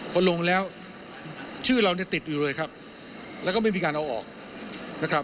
พอลงแล้วชื่อเราเนี่ยติดอยู่เลยครับแล้วก็ไม่มีการเอาออกนะครับ